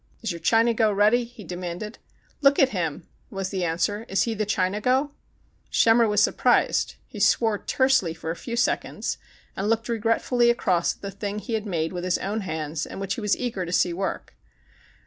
"Is your Chinago ready?" he demanded. "Look at him," was the answer. "Is he the Chinago V Schemmer was surprised. He swore tersely for a few seconds, and looked regretfully across at the thing he had made with his own hands and which he was eager to see work.